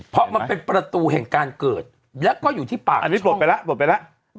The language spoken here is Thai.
เพราะมันเป็นประตูแห่งการเกิดแล้วก็อยู่ที่ปากอันนี้ปลดไปแล้วปลดไปแล้ว